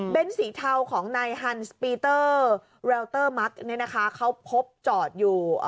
เป็นสีเทาของนายฮันสปีเตอร์เรลเตอร์มักเนี่ยนะคะเขาพบจอดอยู่